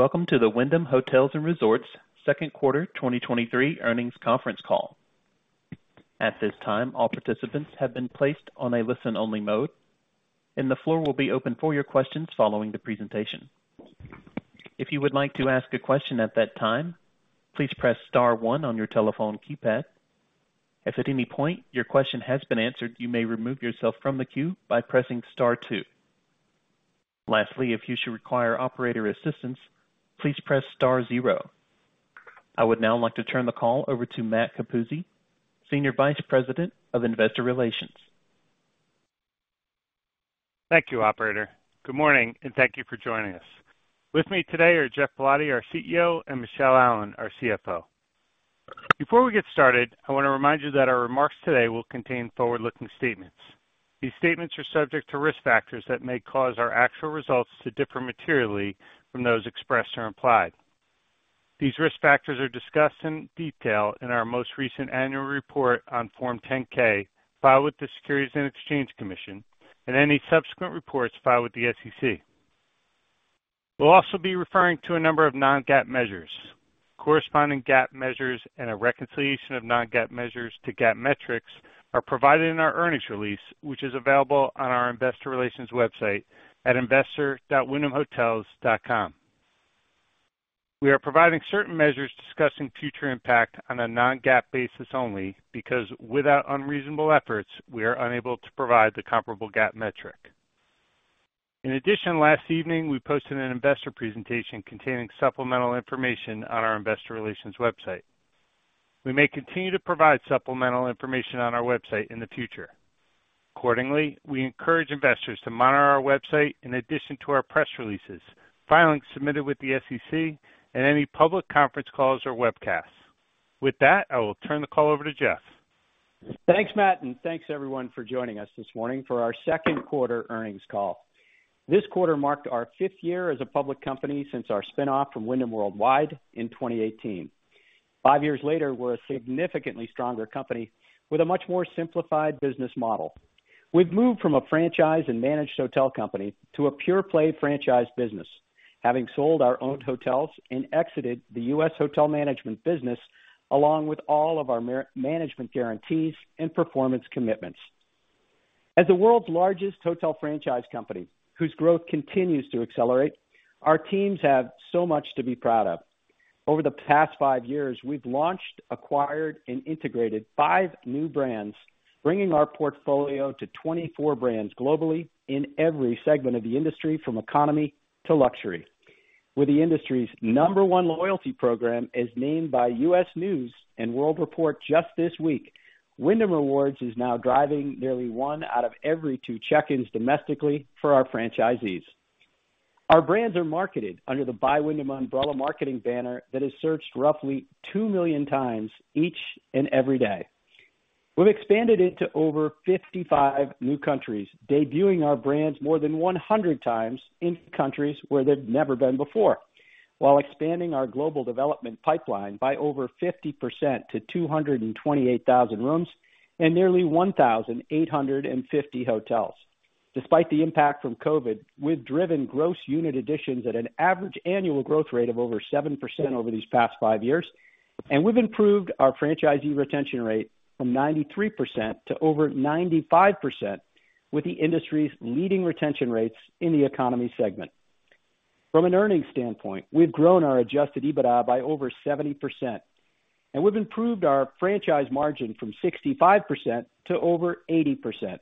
Welcome to the Wyndham Hotels & Resorts second quarter 2023 earnings conference call. At this time, all participants have been placed on a listen-only mode, and the floor will be open for your questions following the presentation. If you would like to ask a question at that time, please press star one on your telephone keypad. If at any point your question has been answered, you may remove yourself from the queue by pressing star two. Lastly, if you should require operator assistance, please press star zero. I would now like to turn the call over to Matt Capuzzi, Senior Vice President of Investor Relations. Thank you, operator. Good morning, and thank you for joining us. With me today are Geoff Ballotti, our CEO, and Michele Allen, our CFO. Before we get started, I want to remind you that our remarks today will contain forward-looking statements. These statements are subject to risk factors that may cause our actual results to differ materially from those expressed or implied. These risk factors are discussed in detail in our most recent annual report on Form 10-K, filed with the Securities and Exchange Commission and any subsequent reports filed with the SEC. We'll also be referring to a number of non-GAAP measures. Corresponding GAAP measures and a reconciliation of non-GAAP measures to GAAP metrics are provided in our earnings release, which is available on our investor relations website at investor.wyndhamhotels.com. We are providing certain measures discussing future impact on a non-GAAP basis only because without unreasonable efforts, we are unable to provide the comparable GAAP metric. In addition, last evening, we posted an investor presentation containing supplemental information on our investor relations website. We may continue to provide supplemental information on our website in the future. Accordingly, we encourage investors to monitor our website in addition to our press releases, filings submitted with the SEC, and any public conference calls or webcasts. With that, I will turn the call over to Geoff. Thanks, Matt, and thanks, everyone, for joining us this morning for our second quarter earnings call. This quarter marked our fifth year as a public company since our spin-off from Wyndham Worldwide in 2018. Five years later, we're a significantly stronger company with a much more simplified business model. We've moved from a franchise and managed hotel company to a pure-play franchise business, having sold our owned hotels and exited the U.S. hotel management business, along with all of our management guarantees and performance commitments. As the world's largest hotel franchise company, whose growth continues to accelerate, our teams have so much to be proud of. Over the past five years, we've launched, acquired, and integrated five new brands, bringing our portfolio to 24 brands globally in every segment of the industry, from economy to luxury. With the industry's number one loyalty program, as named by U.S. News & World Report just this week, Wyndham Rewards is now driving nearly one out of every two check-ins domestically for our franchisees. Our brands are marketed under the by Wyndham umbrella marketing banner that is searched roughly 2 millionx each and every day. We've expanded into over 55 new countries, debuting our brands more than 100 times in countries where they've never been before, while expanding our global development pipeline by over 50% to 228,000 rooms and nearly 1,850 hotels. Despite the impact from COVID, we've driven gross unit additions at an average annual growth rate of over 7% over these past five years. We've improved our franchisee retention rate from 93% to over 95%, with the industry's leading retention rates in the economy segment. From an earnings standpoint, we've grown our adjusted EBITDA by over 70%. We've improved our franchise margin from 65% to over 80%.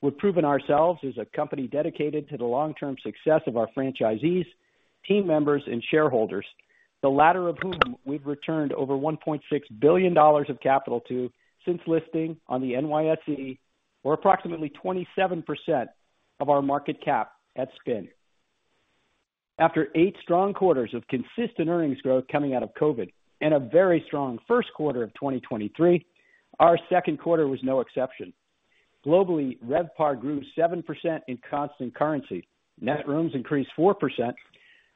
We've proven ourselves as a company dedicated to the long-term success of our franchisees, team members, and shareholders, the latter of whom we've returned over $1.6 billion of capital to since listing on the NYSE, or approximately 27% of our market cap at spin. After eight strong quarters of consistent earnings growth coming out of COVID and a very strong first quarter of 2023, our second quarter was no exception. Globally, RevPAR grew 7% in constant currency. Net rooms increased 4%.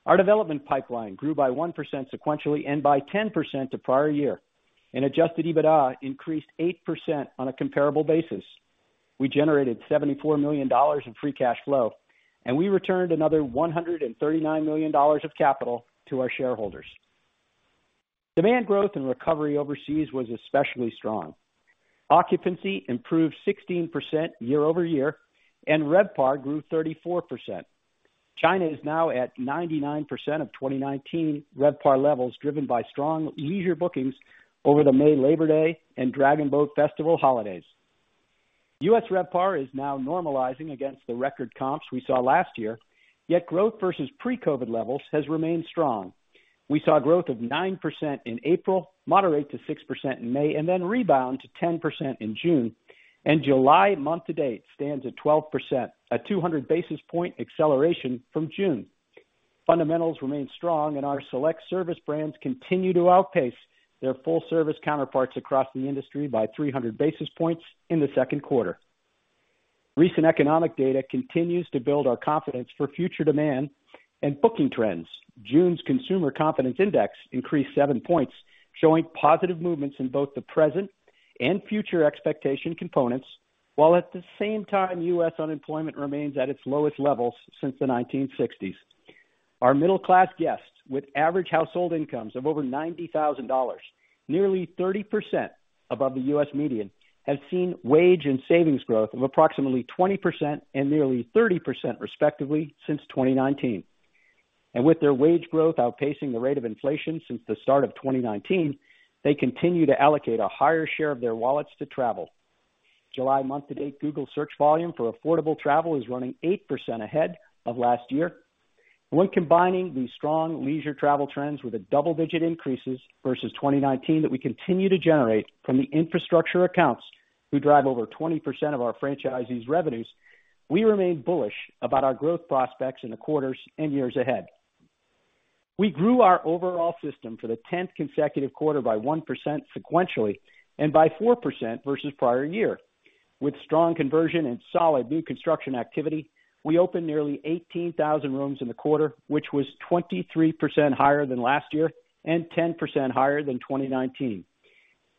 Our development pipeline grew by 1% sequentially and by 10% to prior year. Adjusted EBITDA increased 8% on a comparable basis. We generated $74 million in free cash flow. We returned another $139 million of capital to our shareholders. Demand growth and recovery overseas was especially strong. Occupancy improved 16% year-over-year. RevPAR grew 34%. China is now at 99% of 2019 RevPAR levels, driven by strong leisure bookings over the May Labor Day and Dragon Boat Festival holidays. U.S. RevPAR is now normalizing against the record comps we saw last year, yet growth versus pre-COVID levels has remained strong. We saw growth of 9% in April, moderate to 6% in May, and then rebound to 10% in June. July month to date stands at 12%, a 200 basis point acceleration from June. Fundamentals remain strong. Our select service brands continue to outpace their full-service counterparts across the industry by 300 basis points in the second quarter. Recent economic data continues to build our confidence for future demand and booking trends. June's Consumer Confidence Index increased 7 points, showing positive movements in both the present and future expectation components. At the same time, U.S. unemployment remains at its lowest levels since the 1960s. Our middle class guests, with average household incomes of over $90,000, nearly 30% above the U.S. median, have seen wage and savings growth of approximately 20% and nearly 30%, respectively, since 2019. With their wage growth outpacing the rate of inflation since the start of 2019, they continue to allocate a higher share of their wallets to travel. July month-to-date, Google search volume for affordable travel is running 8% ahead of last year. When combining these strong leisure travel trends with the double-digit increases versus 2019 that we continue to generate from the infrastructure accounts, who drive over 20% of our franchisees' revenues, we remain bullish about our growth prospects in the quarters and years ahead. We grew our overall system for the 10th consecutive quarter by 1% sequentially and by 4% versus prior year. With strong conversion and solid new construction activity, we opened nearly 18,000 rooms in the quarter, which was 23% higher than last year and 10% higher than 2019.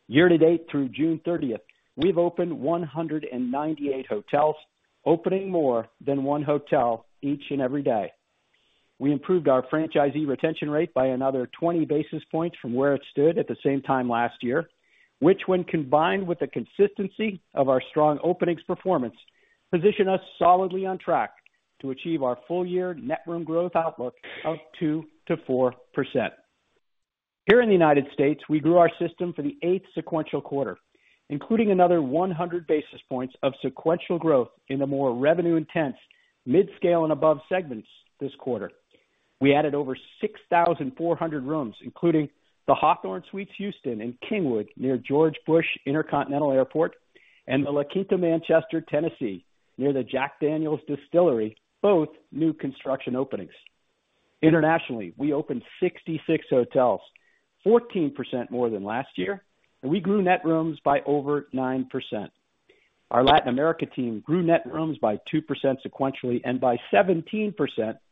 Year-to-date, through June 30th, we've opened 198 hotels, opening more than 1 hotel each and every day. We improved our franchisee retention rate by another 20 basis points from where it stood at the same time last year, which, when combined with the consistency of our strong openings performance, position us solidly on track to achieve our full year net room growth outlook of 2%-4%. Here in the United States, we grew our system for the 8th sequential quarter, including another 100 basis points of sequential growth in the more revenue-intense, midscale and above segments this quarter. We added over 6,400 rooms, including the Hawthorn Suites Houston in Kingwood, near George Bush Intercontinental Airport, and the La Quinta Manchester, Tennessee, near the Jack Daniel Distillery, both new construction openings. Internationally, we opened 66 hotels, 14% more than last year, and we grew net rooms by over 9%. Our Latin America team grew net rooms by 2% sequentially and by 17%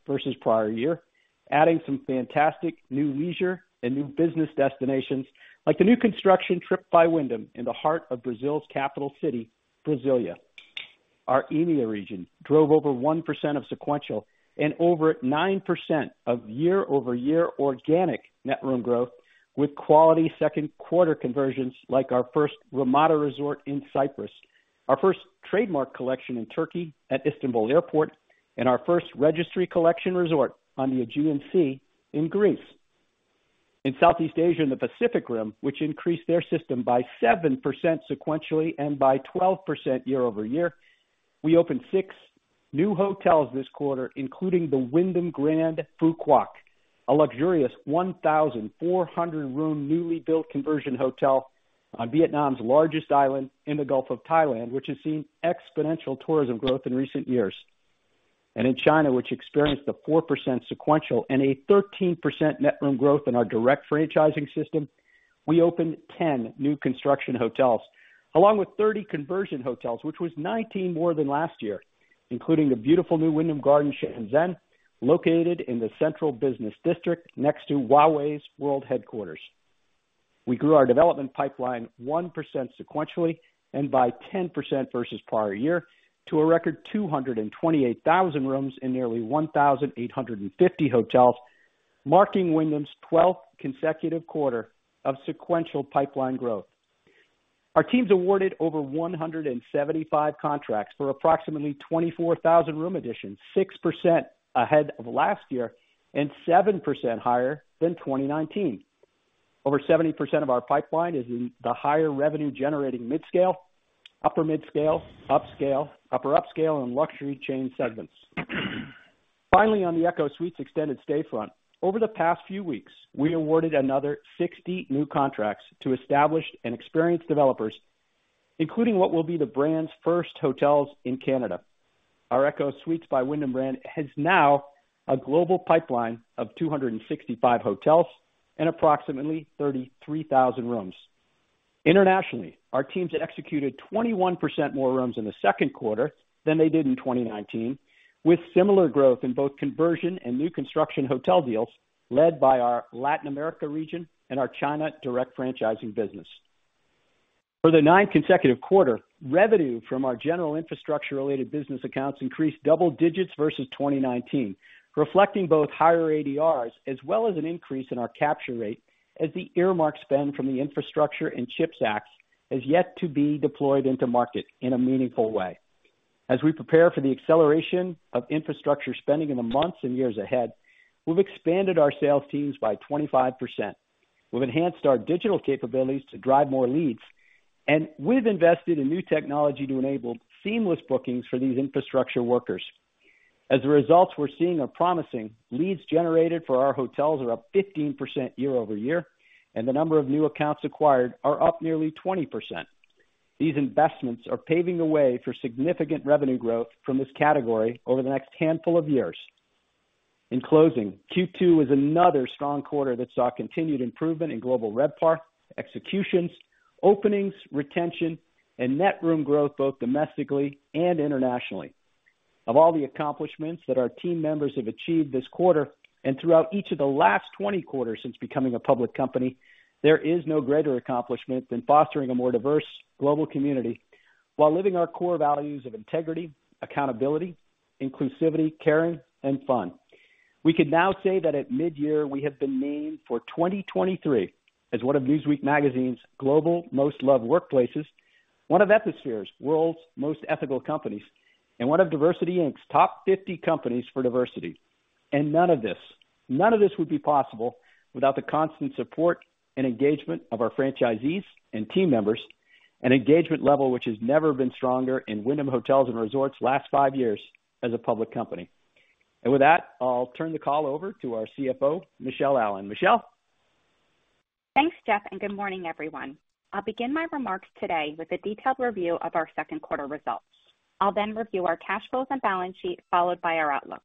versus prior year, adding some fantastic new leisure and new business destinations, like the new construction Tryp by Wyndham in the heart of Brazil's capital city, Brasilia. Our EMEA region drove over 1% of sequential and over 9% of year-over-year organic net room growth, with quality second quarter conversions like our first Ramada Resort in Cyprus, our first Trademark Collection in Turkey at Istanbul Airport, and our first Registry Collection Resort on the Aegean Sea in Greece. In Southeast Asia and the Pacific Rim, which increased their system by 7% sequentially and by 12% year-over-year, we opened 6 new hotels this quarter, including the Wyndham Grand Phu Quoc, a luxurious 1,400 room, newly built conversion hotel on Vietnam's largest island in the Gulf of Thailand, which has seen exponential tourism growth in recent years. In China, which experienced a 4% sequential and a 13% net room growth in our direct franchising system, we opened 10 new construction hotels, along with 30 conversion hotels, which was 19 more than last year, including the beautiful new Wyndham Garden, Shenzhen, located in the central business district next to Huawei's world headquarters. We grew our development pipeline 1% sequentially and by 10% versus prior year to a record 228,000 rooms in nearly 1,850 hotels, marking Wyndham's 12th consecutive quarter of sequential pipeline growth. Our teams awarded over 175 contracts for approximately 24,000 room additions, 6% ahead of last year and 7% higher than 2019. Over 70% of our pipeline is in the higher revenue generating midscale, upper midscale, upscale, upper upscale and luxury chain segments. Finally, on the ECHO Suites extended stay front, over the past few weeks, we awarded another 60 new contracts to established and experienced developers, including what will be the brand's first hotels in Canada. Our ECHO Suites by Wyndham brand has now a global pipeline of 265 hotels and approximately 33,000 rooms. Internationally, our teams had executed 21% more rooms in the second quarter than they did in 2019, with similar growth in both conversion and new construction hotel deals led by our Latin America region and our China direct franchising business. For the ninth consecutive quarter, revenue from our general infrastructure-related business accounts increased double digits versus 2019, reflecting both higher ADRs as well as an increase in our capture rate, as the earmark spend from the infrastructure and CHIPS Act has yet to be deployed into market in a meaningful way. As we prepare for the acceleration of infrastructure spending in the months and years ahead, we've expanded our sales teams by 25%. We've enhanced our digital capabilities to drive more leads, and we've invested in new technology to enable seamless bookings for these infrastructure workers. As a result, we're seeing a promising leads generated for our hotels are up 15% year over year, and the number of new accounts acquired are up nearly 20%. These investments are paving the way for significant revenue growth from this category over the next handful of years. In closing, Q2 is another strong quarter that saw continued improvement in global RevPAR, executions, openings, retention, and net room growth, both domestically and internationally. Of all the accomplishments that our team members have achieved this quarter and throughout each of the last 20 quarters since becoming a public company, there is no greater accomplishment than fostering a more diverse global community while living our core values of integrity, accountability, inclusivity, caring, and fun. We can now say that at midyear, we have been named for 2023 as one of Newsweek's Global Most Loved Workplaces, one of Ethisphere's World's Most Ethical Companies, and one of DiversityInc's Top 50 Companies for Diversity. None of this, none of this would be possible without the constant support and engagement of our franchisees and team members, an engagement level which has never been stronger in Wyndham Hotels & Resorts' last five years as a public company. With that, I'll turn the call over to our CFO, Michele Allen. Michele? Thanks, Geoff, good morning, everyone. I'll begin my remarks today with a detailed review of our second quarter results. I'll review our cash flows and balance sheet, followed by our outlook.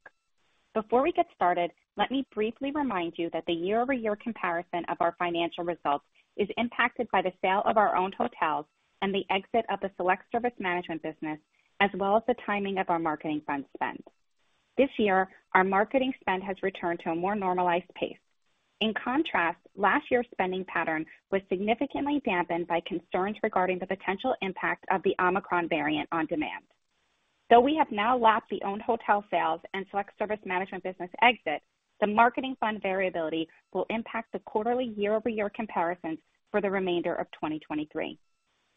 Before we get started, let me briefly remind you that the year-over-year comparison of our financial results is impacted by the sale of our owned hotels and the exit of the select service management business, as well as the timing of our marketing fund spend. This year, our marketing spend has returned to a more normalized pace. In contrast, last year's spending pattern was significantly dampened by concerns regarding the potential impact of the Omicron variant on demand. We have now lapped the owned hotel sales and select service management business exit, the marketing fund variability will impact the quarterly year-over-year comparisons for the remainder of 2023.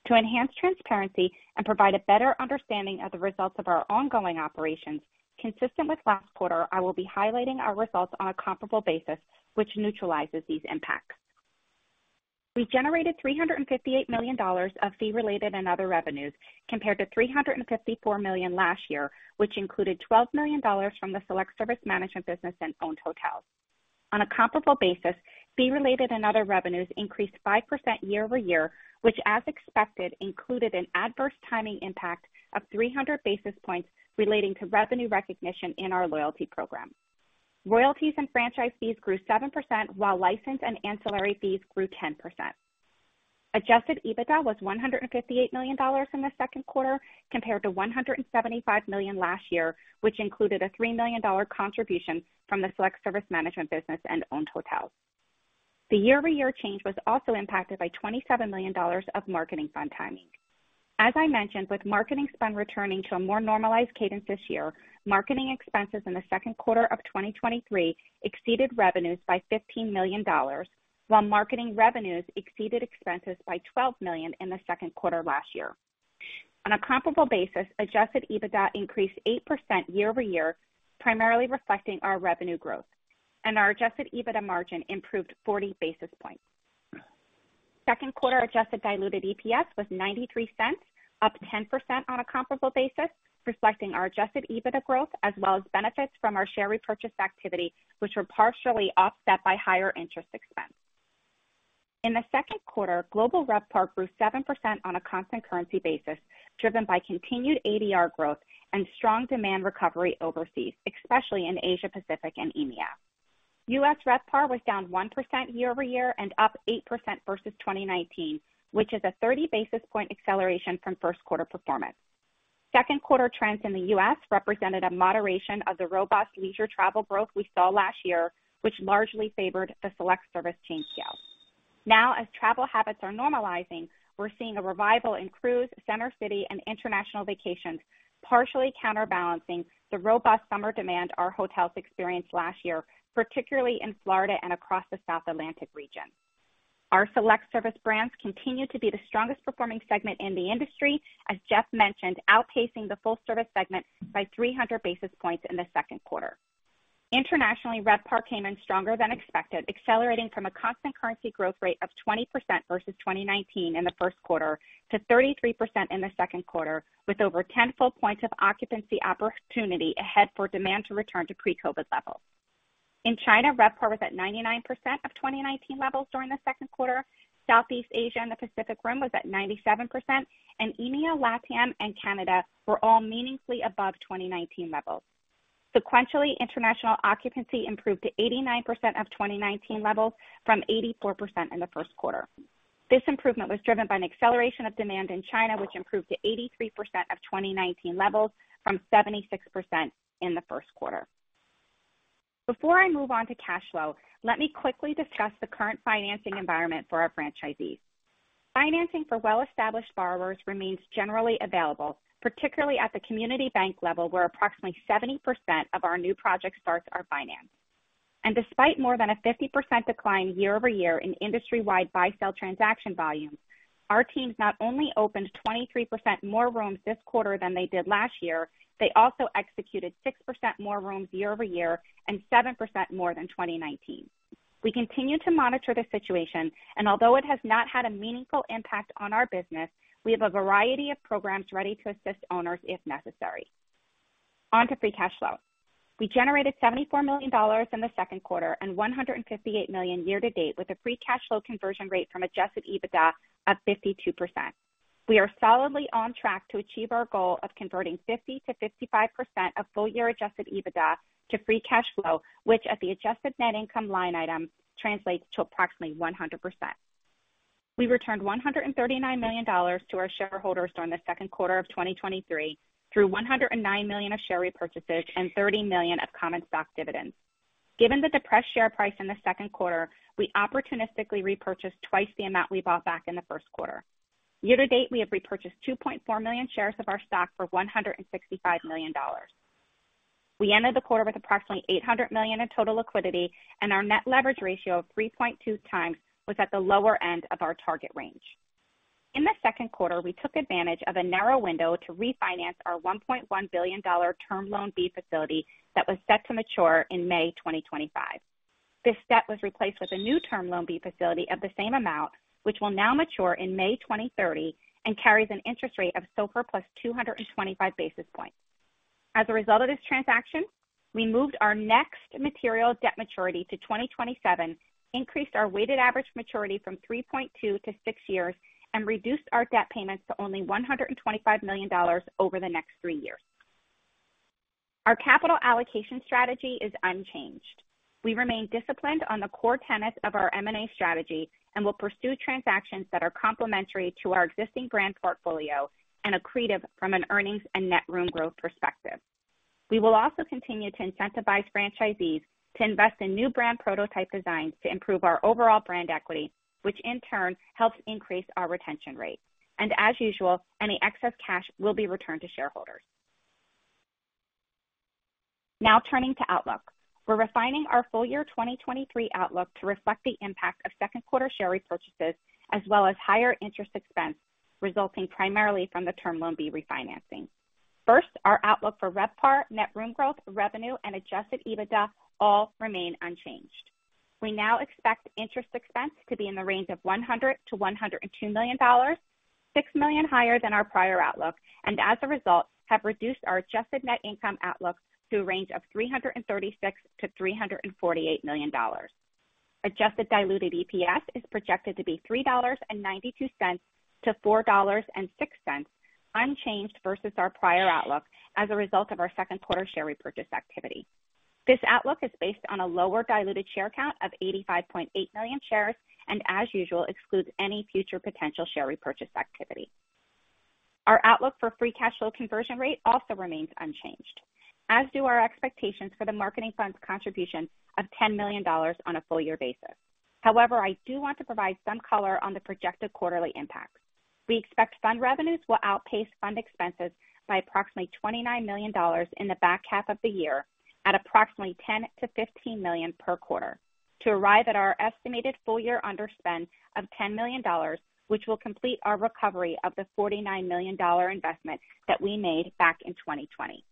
To enhance transparency and provide a better understanding of the results of our ongoing operations, consistent with last quarter, I will be highlighting our results on a comparable basis, which neutralizes these impacts. We generated $358 million of fee-related and other revenues, compared to $354 million last year, which included $12 million from the select service management business and owned hotels. On a comparable basis, fee-related and other revenues increased 5% year-over-year, which, as expected, included an adverse timing impact of 300 basis points relating to revenue recognition in our loyalty program. Royalties and franchise fees grew 7%, while license and ancillary fees grew 10%. Adjusted EBITDA was $158 million in the second quarter, compared to $175 million last year, which included a $3 million contribution from the select service management business and owned hotels. The year-over-year change was also impacted by $27 million of marketing fund timing. As I mentioned, with marketing spend returning to a more normalized cadence this year, marketing expenses in the second quarter of 2023 exceeded revenues by $15 million, while marketing revenues exceeded expenses by $12 million in the second quarter last year. On a comparable basis, adjusted EBITDA increased 8% year-over-year, primarily reflecting our revenue growth, and our adjusted EBITDA margin improved 40 basis points. Second quarter adjusted diluted EPS was $0.93, up 10% on a comparable basis, reflecting our adjusted EBITDA growth, as well as benefits from our share repurchase activity, which were partially offset by higher interest expense. In the second quarter, global RevPAR grew 7% on a constant currency basis, driven by continued ADR growth and strong demand recovery overseas, especially in Asia Pacific and EMEA. U.S. RevPAR was down 1% year-over-year and up 8% versus 2019, which is a 30 basis point acceleration from first quarter performance. Second quarter trends in the U.S. represented a moderation of the robust leisure travel growth we saw last year, which largely favored the select service chain scale. Now, as travel habits are normalizing, we're seeing a revival in cruise, center city, and international vacations, partially counterbalancing the robust summer demand our hotels experienced last year, particularly in Florida and across the South Atlantic region. Our select service brands continue to be the strongest performing segment in the industry, as Geoff mentioned, outpacing the full service segment by 300 basis points in the second quarter. Internationally, RevPAR came in stronger than expected, accelerating from a constant currency growth rate of 20% versus 2019 in the first quarter to 33% in the second quarter, with over 10 full points of occupancy opportunity ahead for demand to return to pre-COVID levels. In China, RevPAR was at 99% of 2019 levels during the second quarter. Southeast Asia and the Pacific Rim was at 97%, and EMEA, LATAM, and Canada were all meaningfully above 2019 levels. Sequentially, international occupancy improved to 89% of 2019 levels from 84% in the 1st quarter. This improvement was driven by an acceleration of demand in China, which improved to 83% of 2019 levels from 76% in the 1st quarter. Before I move on to cash flow, let me quickly discuss the current financing environment for our franchisees. Financing for well-established borrowers remains generally available, particularly at the community bank level, where approximately 70% of our new project starts are financed. Despite more than a 50% decline year-over-year in industry-wide buy-sell transaction volumes, our teams not only opened 23% more rooms this quarter than they did last year, they also executed 6% more rooms year-over-year and 7% more than 2019. We continue to monitor the situation, although it has not had a meaningful impact on our business, we have a variety of programs ready to assist owners if necessary. On to free cash flow. We generated $74 million in the second quarter and $158 million year to date, with a free cash flow conversion rate from adjusted EBITDA of 52%. We are solidly on track to achieve our goal of converting 50%-55% of full-year adjusted EBITDA to free cash flow, which, at the adjusted net income line item, translates to approximately 100%. We returned $139 million to our shareholders during the second quarter of 2023, through $109 million of share repurchases and $30 million of common stock dividends. Given the depressed share price in the second quarter, we opportunistically repurchased twice the amount we bought back in the first quarter. Year-to-date, we have repurchased 2.4 million shares of our stock for $165 million. We ended the quarter with approximately $800 million in total liquidity, and our net leverage ratio of 3.2x was at the lower end of our target range. In the second quarter, we took advantage of a narrow window to refinance our $1.1 billion Term Loan B facility that was set to mature in May 2025. This debt was replaced with a new Term Loan B facility of the same amount, which will now mature in May 2030 and carries an interest rate of SOFR plus 225 basis points. As a result of this transaction, we moved our next material debt maturity to 2027, increased our weighted average maturity from 3.2 to 6 years, and reduced our debt payments to only $125 million over the next three years. Our capital allocation strategy is unchanged. We remain disciplined on the core tenets of our M&A strategy and will pursue transactions that are complementary to our existing brand portfolio and accretive from an earnings and net room growth perspective. We will also continue to incentivize franchisees to invest in new brand prototype designs to improve our overall brand equity, which in turn helps increase our retention rate. As usual, any excess cash will be returned to shareholders. Now, turning to outlook. We're refining our full year 2023 outlook to reflect the impact of second quarter share repurchases, as well as higher interest expense, resulting primarily from the Term Loan B refinancing. First, our outlook for RevPAR, net room growth, revenue, and adjusted EBITDA all remain unchanged. We now expect interest expense to be in the range of $100 million-$102 million, $6 million higher than our prior outlook, and as a result, have reduced our adjusted net income outlook to a range of $336 million-$348 million. Adjusted diluted EPS is projected to be $3.92-$4.06, unchanged versus our prior outlook as a result of our second quarter share repurchase activity. This outlook is based on a lower diluted share count of 85.8 million shares, and as usual, excludes any future potential share repurchase activity. Our outlook for free cash flow conversion rate also remains unchanged, as do our expectations for the marketing fund's contribution of $10 million on a full year basis. However, I do want to provide some color on the projected quarterly impacts. We expect fund revenues will outpace fund expenses by approximately $29 million in the back half of the year at approximately $10 million-$15 million per quarter, to arrive at our estimated full year underspend of $10 million, which will complete our recovery of the $49 million investment that we made back in 2020.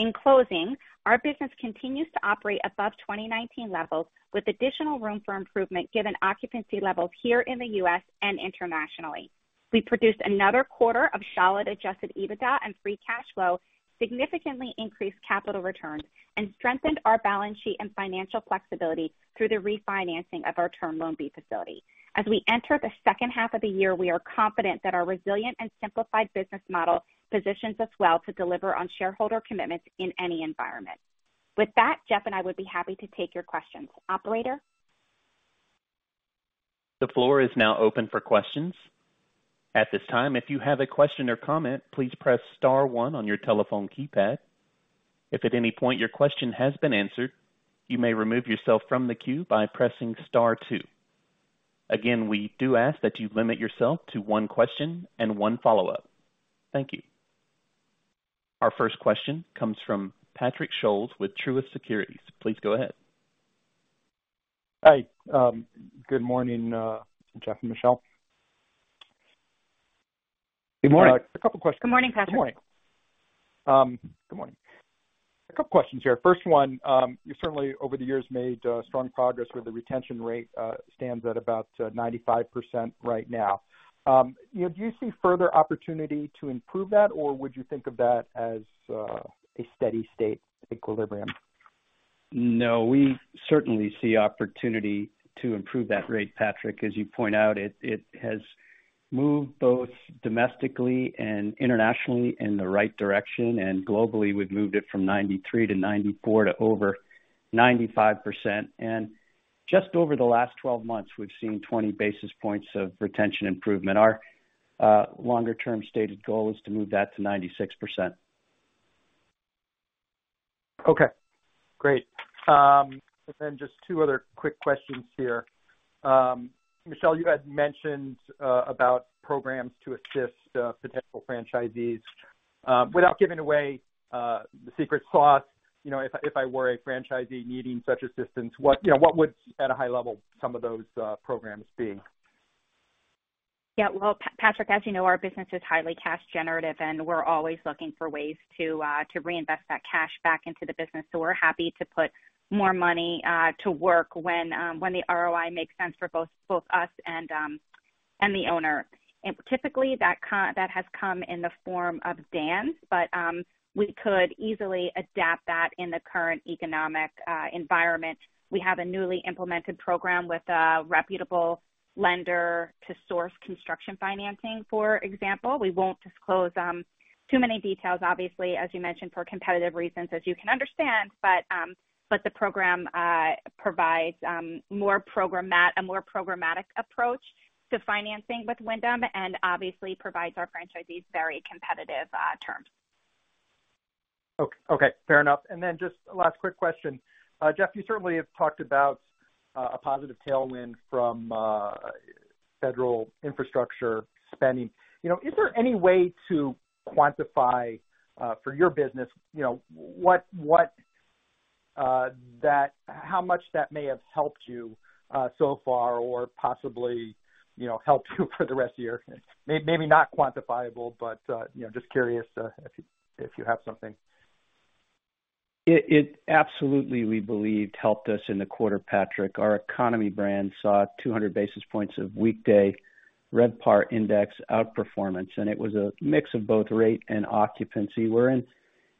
In closing, our business continues to operate above 2019 levels, with additional room for improvement, given occupancy levels here in the U.S. and internationally. We produced another quarter of solid adjusted EBITDA and free cash flow, significantly increased capital returns, and strengthened our balance sheet and financial flexibility through the refinancing of our Term Loan B facility. As we enter the second half of the year, we are confident that our resilient and simplified business model positions us well to deliver on shareholder commitments in any environment. With that, Geoff and I would be happy to take your questions. Operator? The floor is now open for questions. At this time, if you have a question or comment, please press star one on your telephone keypad. If at any point your question has been answered, you may remove yourself from the queue by pressing star two. Again, we do ask that you limit yourself to one question and one follow-up. Thank you. Our first question comes from Patrick Scholes with Truist Securities. Please go ahead. Hi, good morning, Geoff and Michele. Good morning. A couple questions. Good morning, Patrick. Good morning. Good morning. A couple questions here. First one, you certainly, over the years, made strong progress with the retention rate, stands at about 95% right now. Do you see further opportunity to improve that, or would you think of that as a steady state equilibrium? No, we certainly see opportunity to improve that rate, Patrick. As you point out, it has moved both domestically and internationally in the right direction, Globally, we've moved it from 93%-94% to over 95%. Just over the last 12 months, we've seen 20 basis points of retention improvement. Our longer-term stated goal is to move that to 96%. Okay, great. Just two other quick questions here. Michele, you had mentioned about programs to assist potential franchisees. Without giving away the secret sauce, you know, if I were a franchisee needing such assistance, what, you know, what would, at a high level, some of those programs be? Yeah, well, Patrick, as you know, our business is highly cash generative, and we're always looking for ways to reinvest that cash back into the business. We're happy to put more money to work when the ROI makes sense for both us and the owner. Typically, that has come in the form of DANs, but we could easily adapt that in the current economic environment. We have a newly implemented program with a reputable lender to source construction financing, for example. We won't disclose too many details, obviously, as you mentioned, for competitive reasons, as you can understand, but the program provides a more programmatic approach to financing with Wyndham, and obviously provides our franchisees very competitive terms. Okay, fair enough. Then just a last quick question. Geoff, you certainly have talked about a positive tailwind from federal infrastructure spending. You know, is there any way to quantify for your business, you know, what, how much that may have helped you so far or possibly, you know, helped you for the rest of the year? Maybe not quantifiable, but, you know, just curious if you, if you have something. It absolutely, we believed, helped us in the quarter, Patrick. Our economy brand saw 200 basis points of weekday RevPAR index outperformance, and it was a mix of both rate and occupancy. We're in,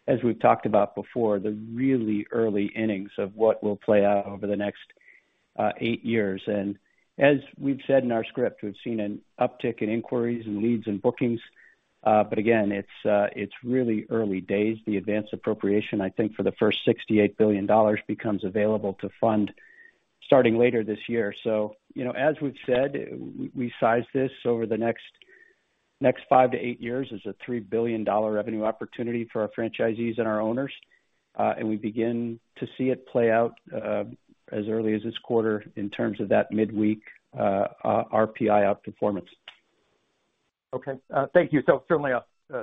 as we've talked about before, the really early innings of what will play out over the next 8 years. As we've said in our script, we've seen an uptick in inquiries and leads and bookings. But again, it's really early days. The advance appropriation, I think, for the first $68 billion becomes available to fund starting later this year. You know, as we've said, we size this over the next 5-8 years as a $3 billion revenue opportunity for our franchisees and our owners. We begin to see it play out as early as this quarter in terms of that midweek RPI outperformance. Okay. Thank you. Certainly,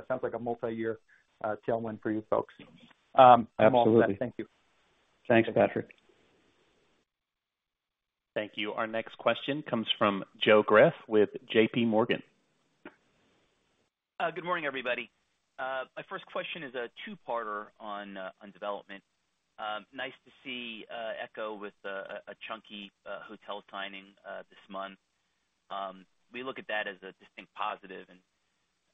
sounds like a multi-year tailwind for you folks. Absolutely. Thank you. Thanks, Patrick. Thank you. Our next question comes from Joe Greff with JP Morgan. Good morning, everybody. My first question is a 2-parter on development. Nice to see ECHO with a chunky hotel signing this month. We look at that as a distinct positive.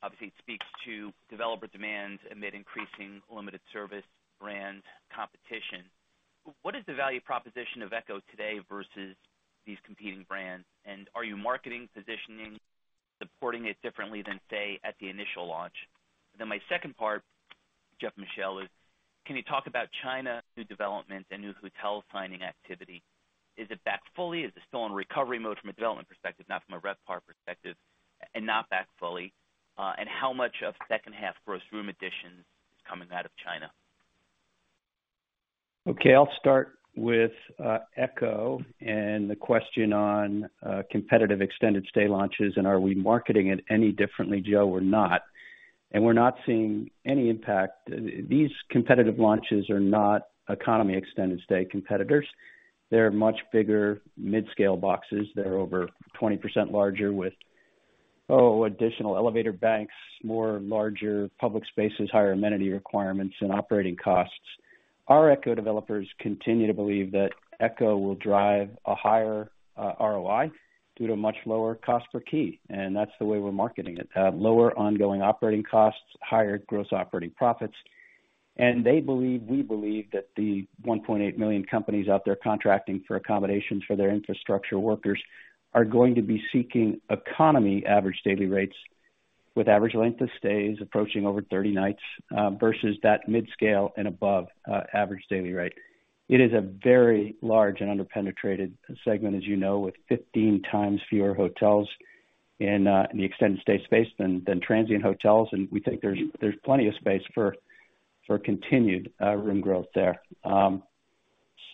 Obviously, it speaks to developer demand amid increasing limited service brand competition. What is the value proposition of ECHO today versus these competing brands? Are you marketing, positioning, supporting it differently than, say, at the initial launch? My second part, Geoff and Michele Allen, is: Can you talk about China, new developments and new hotel signing activity? Is it back fully? Is it still in recovery mode from a development perspective, not from a RevPAR perspective, not back fully? How much of 2nd half gross room additions is coming out of China? Okay, I'll start with ECHO and the question on competitive extended stay launches, and are we marketing it any differently, Joe, we're not. We're not seeing any impact. These competitive launches are not economy extended stay competitors. They're much bigger mid-scale boxes. They're over 20% larger, with additional elevator banks, more larger public spaces, higher amenity requirements and operating costs. Our ECHO developers continue to believe that ECHO will drive a higher ROI due to much lower cost per key, and that's the way we're marketing it. Lower ongoing operating costs, higher gross operating profits. They believe, we believe that the 1.8 million companies out there contracting for accommodations for their infrastructure workers are going to be seeking economy average daily rates, with average length of stays approaching over 30 nights, versus that midscale and above, average daily rate. It is a very large and under-penetrated segment, as you know, with 15 times fewer hotels in the extended stay space than transient hotels, and we think there's plenty of space for continued room growth there.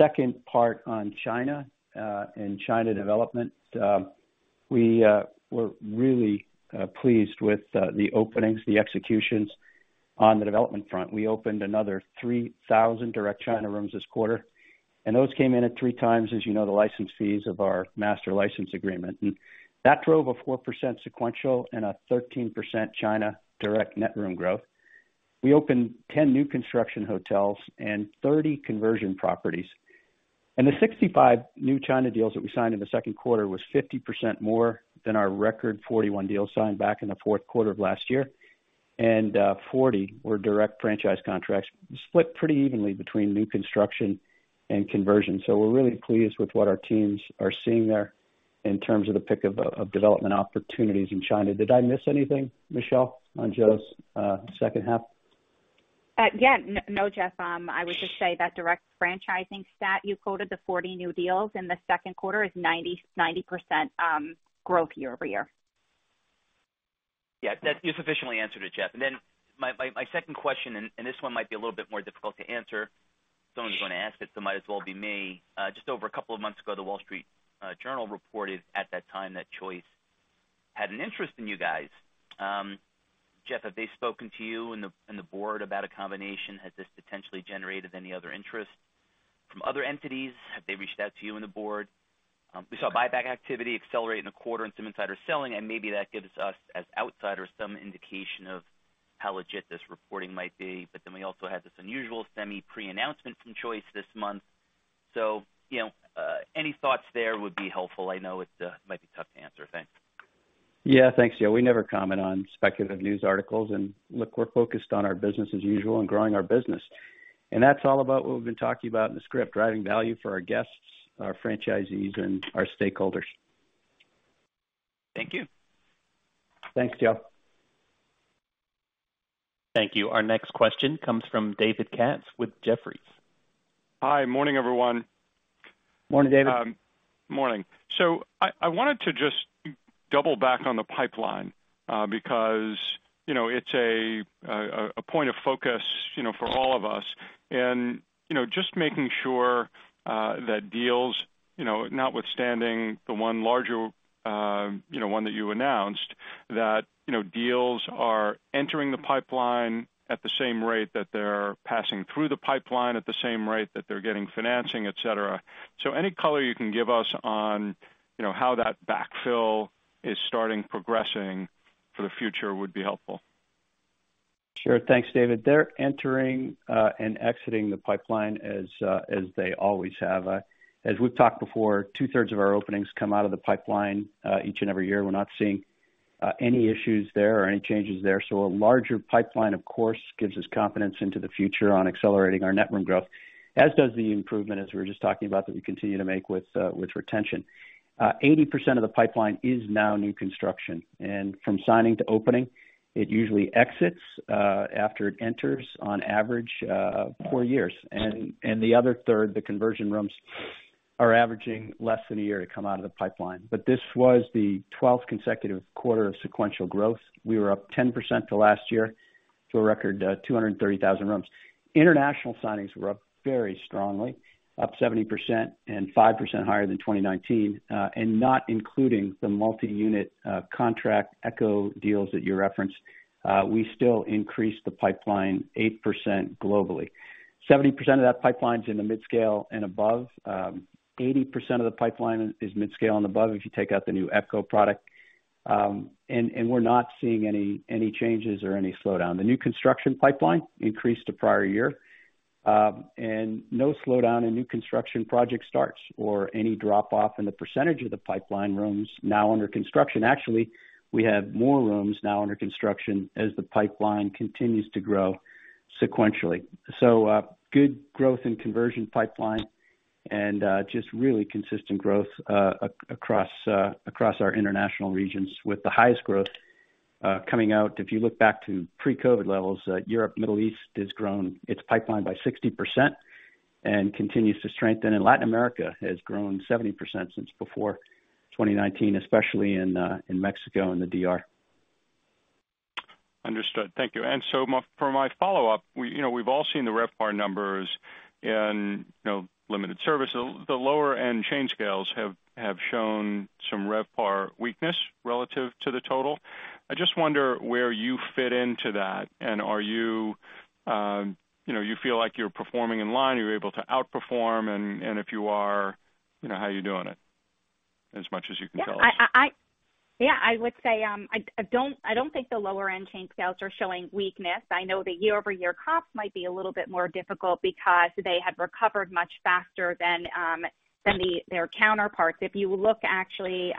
Second part on China, and China development. We're really pleased with the openings, the executions on the development front. We opened another 3,000 direct China rooms this quarter, and those came in at 3x, as you know, the license fees of our master license agreement. That drove a 4% sequential and a 13% China direct net room growth. We opened 10 new construction hotels and 30 conversion properties. The 65 new China deals that we signed in the second quarter was 50% more than our record 41 deals signed back in the fourth quarter of last year. 40 were direct franchise contracts, split pretty evenly between new construction and conversion. We're really pleased with what our teams are seeing there in terms of the pick of, of development opportunities in China. Did I miss anything, Michele, on Joe's second half? Yeah. No, Geoff. I would just say that direct franchising stat you quoted, the 40 new deals in the second quarter, is 90% growth year-over-year. Yeah, that you sufficiently answered it, Geoff. My second question, and this one might be a little bit more difficult to answer. Someone's going to ask it, might as well be me. Just over a couple of months ago, The Wall Street Journal reported at that time that Choice had an interest in you guys. Geoff, have they spoken to you and the board about a combination? Has this potentially generated any other interest from other entities? Have they reached out to you and the board? We saw buyback activity accelerate in a quarter and some insider selling. Maybe that gives us, as outsiders, some indication of how legit this reporting might be. We also have this unusual semi pre-announcement from Choice this month. You know, any thoughts there would be helpful. I know it might be tough to answer. Thanks. Yeah. Thanks, Joe. We never comment on speculative news articles, look, we're focused on our business as usual and growing our business. That's all about what we've been talking about in the script, driving value for our guests, our franchisees, and our stakeholders. Thank you. Thanks, Joe. Thank you. Our next question comes from David Katz with Jefferies. Hi, morning, everyone. Morning, David. Morning. I wanted to just double back on the pipeline, because, you know, it's a point of focus, you know, for all of us. You know, just making sure that deals, you know, notwithstanding the one larger, one that you announced, that, you know, deals are entering the pipeline at the same rate, that they're passing through the pipeline at the same rate, that they're getting financing, et cetera. Any color you can give us on, you know, how that backfill is starting progressing for the future would be helpful. Sure. Thanks, David. They're entering and exiting the pipeline as they always have. As we've talked before, two-thirds of our openings come out of the pipeline each and every year. We're not seeing any issues there or any changes there. A larger pipeline, of course, gives us confidence into the future on accelerating our net room growth, as does the improvement, as we were just talking about, that we continue to make with retention. 80% of the pipeline is now new construction, and from signing to opening, it usually exits after it enters, on average, 4 years. The other third, the conversion rooms, are averaging less than a year to come out of the pipeline. This was the twelfth consecutive quarter of sequential growth. We were up 10% to last year to a record, 230,000 rooms. International signings were up very strongly, up 70% and 5% higher than 2019. Not including the multi-unit, contract ECHO deals that you referenced, we still increased the pipeline 8% globally. 70% of that pipeline is in the midscale and above. 80% of the pipeline is midscale and above, if you take out the new ECHO product. We're not seeing any changes or any slowdown. The new construction pipeline increased to prior year, and no slowdown in new construction project starts or any drop-off in the percentage of the pipeline rooms now under construction. Actually, we have more rooms now under construction as the pipeline continues to grow sequentially. Good growth in conversion pipeline and just really consistent growth across our international regions, with the highest growth coming out. If you look back to pre-COVID levels, Europe, Middle East has grown its pipeline by 60% and continues to strengthen. Latin America has grown 70% since before 2019, especially in Mexico and the DR. Understood. Thank you. For my follow-up, we, you know, we've all seen the RevPAR numbers and, you know, limited service. The lower end chain scales have shown some RevPAR weakness relative to the total. I just wonder where you fit into that, and are you, you know, you feel like you're performing in line, you're able to outperform, and if you are, you know, how are you doing it, as much as you can tell us? Yeah, I would say, I don't think the lower end chain scales are showing weakness. I know the year-over-year comps might be a little bit more difficult because they have recovered much faster than the, their counterparts. If you look, actually,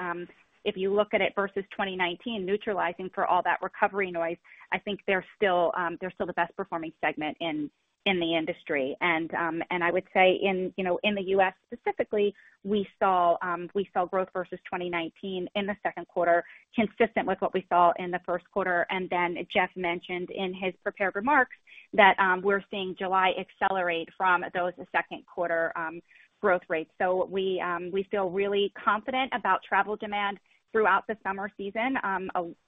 if you look at it versus 2019, neutralizing for all that recovery noise, I think they're still, they're still the best performing segment in the industry. I would say in, you know, in the U.S. specifically, we saw growth versus 2019 in the second quarter, consistent with what we saw in the first quarter. Geoff mentioned in his prepared remarks that we're seeing July accelerate from those second quarter growth rates. We feel really confident about travel demand throughout the summer season.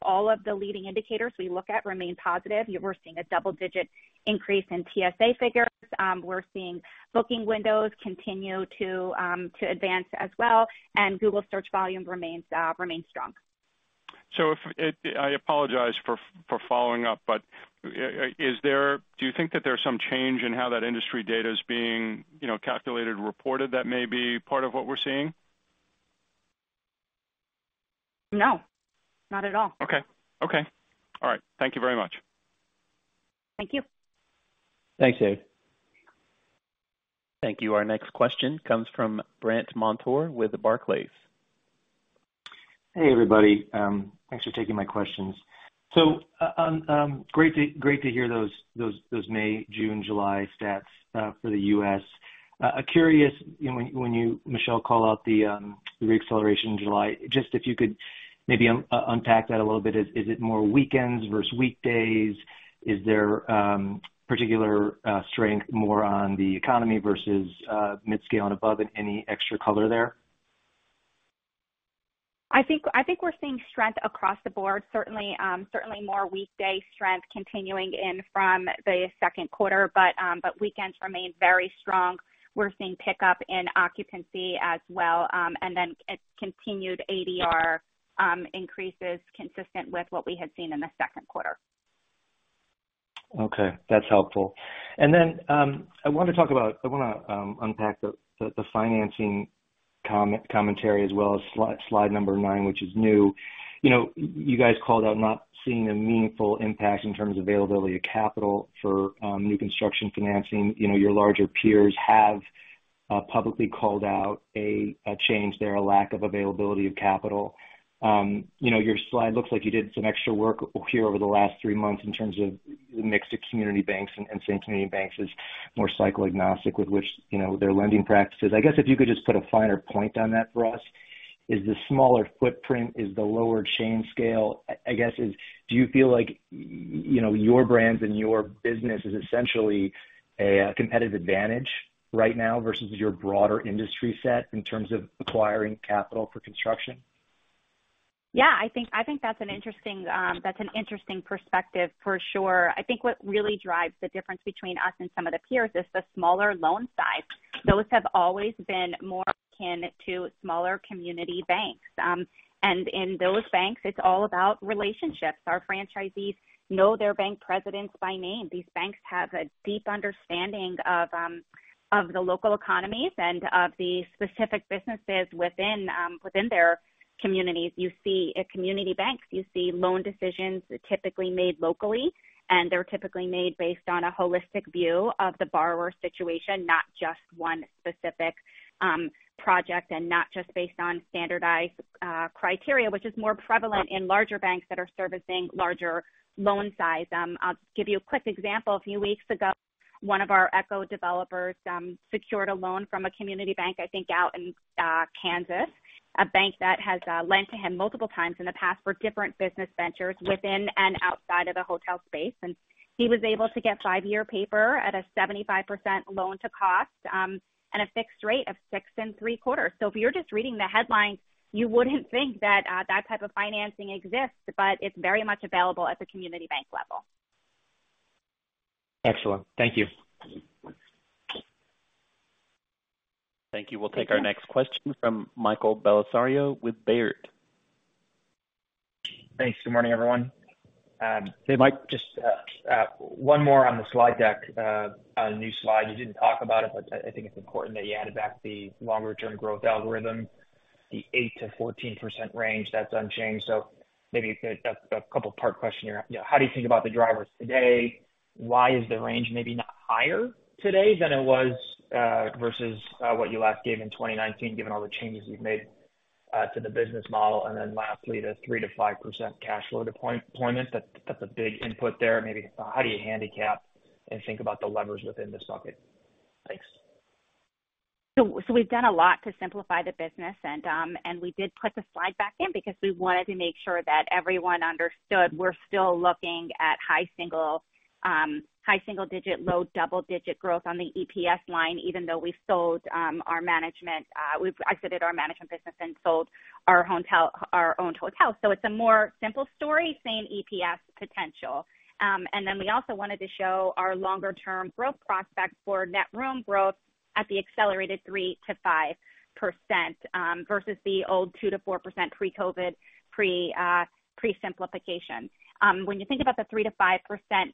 All of the leading indicators we look at remain positive. We're seeing a double-digit increase in TSA figures. We're seeing booking windows continue to advance as well. Google search volume remains strong. I apologize for following up, Do you think that there's some change in how that industry data is being, you know, calculated and reported that may be part of what we're seeing? No, not at all. Okay. Okay. All right. Thank you very much. Thank you. Thanks, David. Thank you. Our next question comes from Brandt Montour with Barclays. Hey, everybody. Thanks for taking my questions. Great to hear those May, June, July stats for the U.S. Curious, you know, when you, Michele, call out the reacceleration in July, just if you could maybe unpack that a little bit. Is it more weekends versus weekdays? Is there particular strength more on the economy versus midscale and above, and any extra color there? I think we're seeing strength across the board. Certainly, certainly more weekday strength continuing in from the second quarter, but weekends remain very strong. We're seeing pickup in occupancy as well, and then a continued ADR increases consistent with what we had seen in the second quarter. Okay, that's helpful. I want to unpack the financing commentary, as well as Slide number 9, which is new. You know, you guys called out not seeing a meaningful impact in terms of availability of capital for new construction financing. You know, your larger peers have publicly called out a change there, a lack of availability of capital. You know, your slide looks like you did some extra work here over the last 3 months in terms of the mix of community banks and saying community banks is more cycle agnostic, with which, you know, their lending practices. I guess if you could just put a finer point on that for us? Is the smaller footprint, is the lower chain scale, I guess, do you feel like, you know, your brands and your business is essentially a competitive advantage right now versus your broader industry set in terms of acquiring capital for construction? I think that's an interesting perspective for sure. I think what really drives the difference between us and some of the peers is the smaller loan size. Those have always been more akin to smaller community banks. In those banks, it's all about relationships. Our franchisees know their bank presidents by name. These banks have a deep understanding of the local economies and of the specific businesses within their communities. At community banks, you see loan decisions typically made locally, and they're typically made based on a holistic view of the borrower situation, not just one specific project, and not just based on standardized criteria, which is more prevalent in larger banks that are servicing larger loan size. I'll give you a quick example. A few weeks ago, one of our ECHO developers, secured a loan from a community bank, I think, out in Kansas, a bank that has lent to him multiple times in the past for different business ventures within and outside of the hotel space. He was able to get 5-year paper at a 75% Loan-to-Cost, and a fixed rate of 6.75%. If you're just reading the headlines, you wouldn't think that that type of financing exists, but it's very much available at the community bank level. Excellent. Thank you. Thank you. We'll take our next question from Michael Bellisario with Baird. Thanks. Good morning, everyone. Hey, Mike. Just one more on the slide deck. On a new slide, you didn't talk about it, but I think it's important that you added back the longer term growth algorithm, the 8%-14% range, that's unchanged. Maybe a couple part question. You know, how do you think about the drivers today? Why is the range maybe not higher today than it was versus what you last gave in 2019, given all the changes you've made to the business model? Then lastly, the 3%-5% cash flow deployment, that's a big input there. Maybe how do you handicap and think about the levers within the socket? Thanks. We've done a lot to simplify the business, and we did put the slide back in because we wanted to make sure that everyone understood we're still looking at high single-digit, low double-digit growth on the EPS line, even though we've sold our management, we've exited our management business and sold our own hotel. It's a more simple story, same EPS potential. We also wanted to show our longer term growth prospects for net room growth at the accelerated 3%-5% versus the old 2%-4% pre-COVID, pre-simplification. When you think about the 3%-5%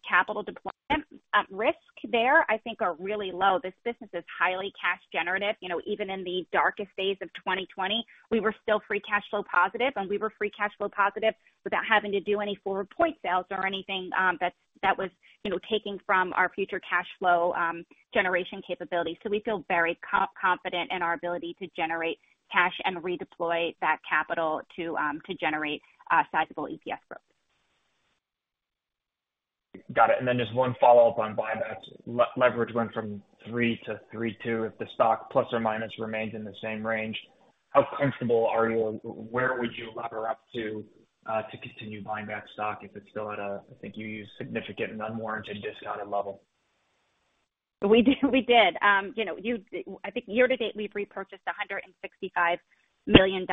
capital deployment, risk there, I think are really low. This business is highly cash generative. You know, even in the darkest days of 2020, we were still free cash flow positive, and we were free cash flow positive without having to do any forward point sales or anything, that was, you know, taking from our future cash flow generation capability. We feel very confident in our ability to generate cash and redeploy that capital to generate sizable EPS growth. Got it. Then just one follow-up on buybacks. leverage went from 3-3.2. If the stock ± remains in the same range, how comfortable are you, or where would you lever up to to continue buying back stock if it's still at a, I think you use significant unwarranted discounted level? We did, we did. I think year to date, we've repurchased $165 million,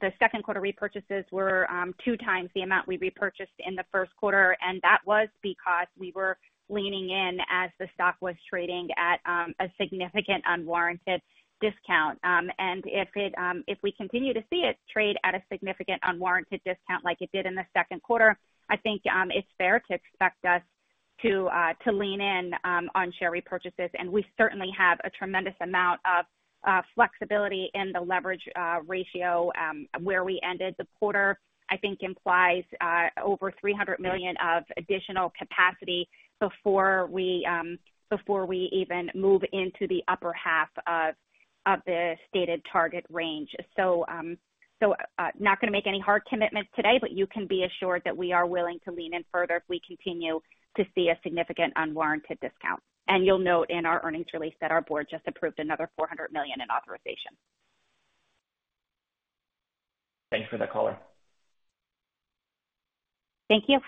the second quarter repurchases were 2 times the amount we repurchased in the first quarter, and that was because we were leaning in as the stock was trading at a significant unwarranted discount. If we continue to see it trade at a significant unwarranted discount like it did in the second quarter, I think, it's fair to expect us to lean in on share repurchases. We certainly have a tremendous amount of flexibility in the leverage ratio, where we ended the quarter, I think implies over $300 million of additional capacity before we even move into the upper half of the stated target range. Not going to make any hard commitments today, but you can be assured that we are willing to lean in further if we continue to see a significant unwarranted discount. You'll note in our earnings release that our board just approved another $400 million in authorization. Thanks for the color. Thank you.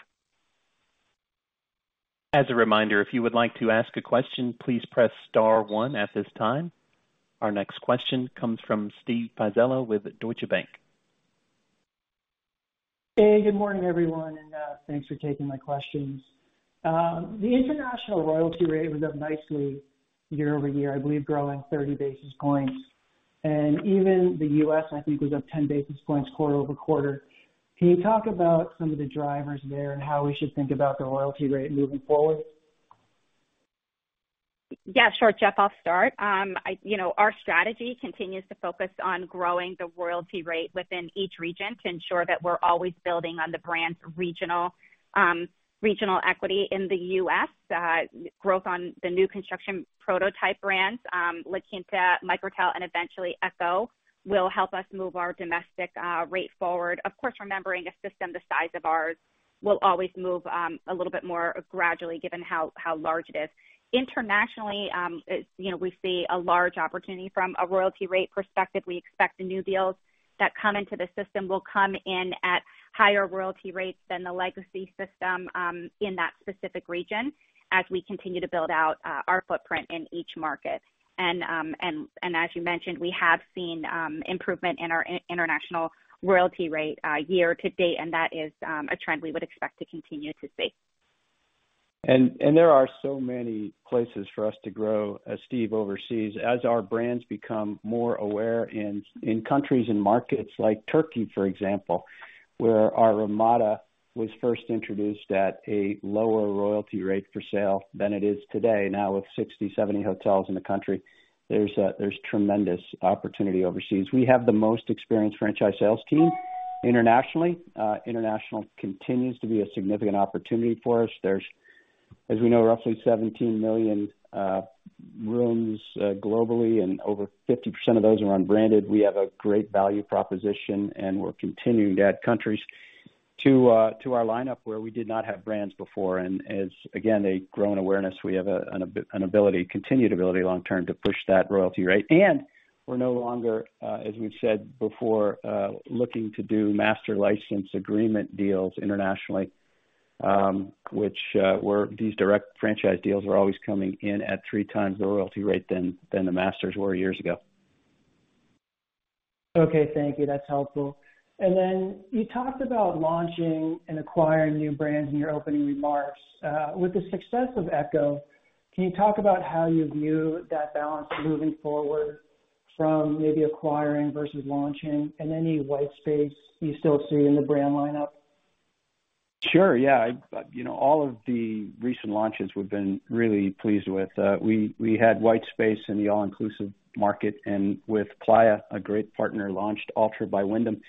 As a reminder, if you would like to ask a question, please press star one at this time. Our next question comes from Steve Pizzella with Deutsche Bank. Hey, good morning, everyone, and thanks for taking my questions. The international royalty rate was up nicely year-over-year, I believe growing 30 basis points, even the U.S., I think, was up 10 basis points quarter-over-quarter. Can you talk about some of the drivers there and how we should think about the royalty rate moving forward? Yeah, sure, Geoff, I'll start. I, you know, our strategy continues to focus on growing the royalty rate within each region to ensure that we're always building on the brand's regional equity in the U.S. Growth on the new construction prototype brands, La Quinta, Microtel, and eventually ECHO, will help us move our domestic rate forward. Of course, remembering a system the size of ours will always move a little bit more gradually given how large it is. Internationally, it's, you know, we see a large opportunity from a royalty rate perspective. We expect the new deals that come into the system will come in at higher royalty rates than the legacy system in that specific region, as we continue to build out our footprint in each market. As you mentioned, we have seen improvement in our international royalty rate year to date, and that is a trend we would expect to continue to see. There are so many places for us to grow as Steve oversees. As our brands become more aware in countries and markets like Turkey, for example, where our Ramada was first introduced at a lower royalty rate for sale than it is today, now with 60, 70 hotels in the country, there's tremendous opportunity overseas. We have the most experienced franchise sales team internationally. International continues to be a significant opportunity for us. There's, as we know, roughly 17 million rooms globally, and over 50% of those are unbranded. We have a great value proposition, and we're continuing to add countries to our lineup where we did not have brands before. As, again, a growing awareness, we have an ability, continued ability long term to push that royalty rate. We're no longer, as we've said before, looking to do master license agreement deals internationally, which were these direct franchise deals are always coming in at 3x the royalty rate than the masters were years ago. Okay, thank you. That's helpful. You talked about launching and acquiring new brands in your opening remarks. With the success of ECHO, can you talk about how you view that balance moving forward from maybe acquiring versus launching and any white space you still see in the brand lineup? Sure, yeah. You know, all of the recent launches we've been really pleased with. We had white space in the all-inclusive market, and with Playa, a great partner, launched Alltra by Wyndham,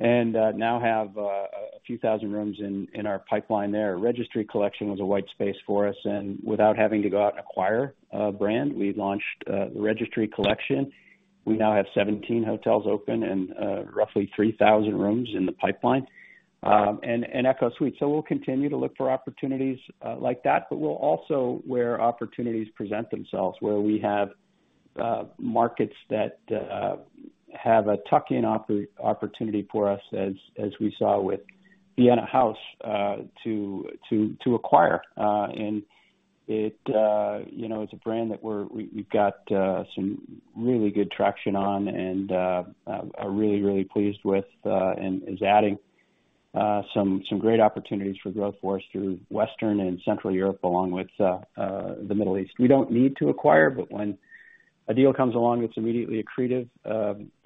and now have a few thousand rooms in our pipeline there. Registry Collection was a white space for us, and without having to go out and acquire a brand, we launched the Registry Collection. We now have 17 hotels open and roughly 3,000 rooms in the pipeline, and ECHO Suites. We'll continue to look for opportunities like that, but we'll also, where opportunities present themselves, where we have markets that have a tuck-in opportunity for us, as we saw with Vienna House, to acquire. It, you know, it's a brand that we've got some really good traction on and are really pleased with and is adding some great opportunities for growth for us through Western and Central Europe, along with the Middle East. We don't need to acquire, but when a deal comes along that's immediately accretive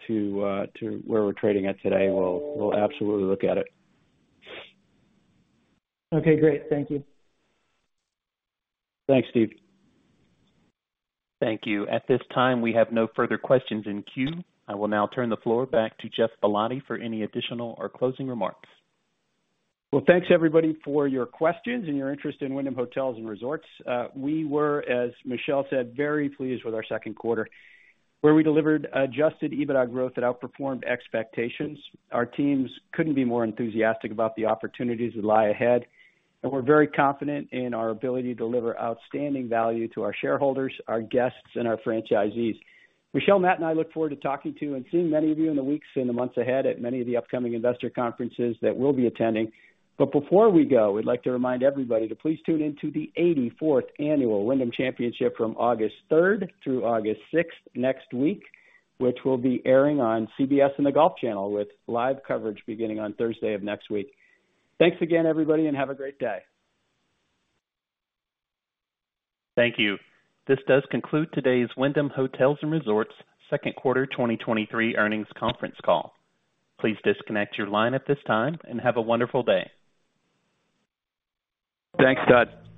to where we're trading at today, we'll absolutely look at it. Okay, great. Thank you. Thanks, Steve. Thank you. At this time, we have no further questions in queue. I will now turn the floor back to Matt Capuzzi for any additional or closing remarks. Well, thanks, everybody, for your questions and your interest in Wyndham Hotels & Resorts. We were, as Michelle said, very pleased with our second quarter, where we delivered adjusted EBITDA growth that outperformed expectations. Our teams couldn't be more enthusiastic about the opportunities that lie ahead, and we're very confident in our ability to deliver outstanding value to our shareholders, our guests, and our franchisees. Michelle, Matt, and I look forward to talking to and seeing many of you in the weeks and the months ahead at many of the upcoming investor conferences that we'll be attending. Before we go, we'd like to remind everybody to please tune in to the 84th Annual Wyndham Championship from August 3rd through August 6th next week, which will be airing on CBS and The Golf Channel, with live coverage beginning on Thursday of next week. Thanks again, everybody, and have a great day. Thank you. This does conclude today's Wyndham Hotels & Resorts second quarter 2023 earnings conference call. Please disconnect your line at this time and have a wonderful day. Thanks, Todd.